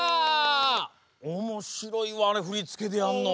おもしろいわあれふりつけでやんの。